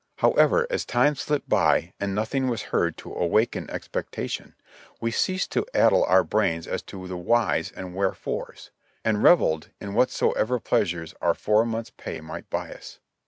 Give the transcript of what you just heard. However, as time slipped by and nothing was heard to awaken expectation, we ceased to addle our brains as to the whys and wherefores, and revelled in whatsoever pleasures our four months' pay might buy us.